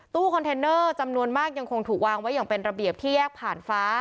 ตู้คอนเทนเนอร์จำนวนมากยังคงถูกวางไว้อย่างเป็นระเบียบที่แยกผ่านฟ้า